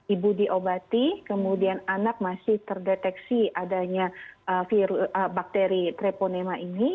ibu diobati kemudian anak masih terdeteksi adanya bakteri treponema ini